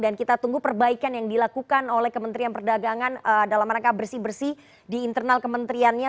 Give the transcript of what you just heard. kita tunggu perbaikan yang dilakukan oleh kementerian perdagangan dalam rangka bersih bersih di internal kementeriannya